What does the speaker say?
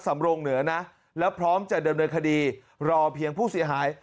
สำรงเหนือนะแล้วพร้อมจะดำเนินคดีรอเพียงผู้เสียหาย